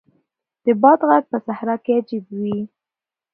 د باد ږغ په صحرا کې عجیب وي.